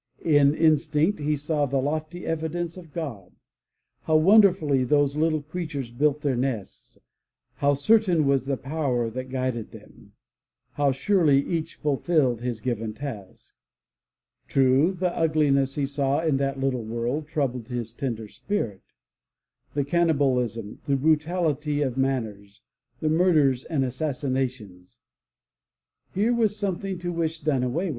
In instinct he saw the lofty evidence of God. How wonderfully those little creatures built their nests, how certain was the power that guided them, how surely each fulfilled his given task. True, 102 THE LATCH KEY the Ugliness he saw in that little world troubled his tender spirit, — the cannibalism, the brutality of manners, the murders and assas sinations. Here was something to wish done away.